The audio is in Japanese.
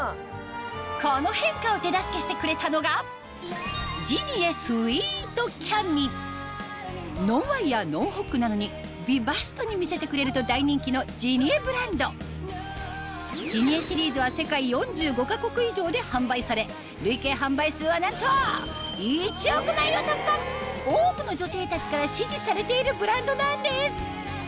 この変化を手助けしてくれたのがノンワイヤーノンホックなのに美バストに見せてくれると大人気のジニエブランドジニエシリーズはなんと多くの女性たちから支持されているブランドなんです